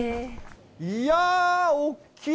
いやー、大きい！